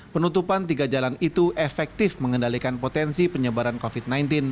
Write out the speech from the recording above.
penutupan tiga jalan itu efektif mengendalikan potensi penyebaran covid sembilan belas